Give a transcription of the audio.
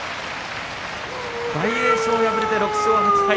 大栄翔が敗れて６勝８敗